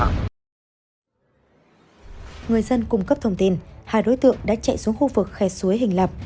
người dân cung cấp thông tin hai đối tượng đã chạy xuống khu vực khe suối hình lập